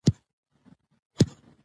دوی به اور بل کړی وي.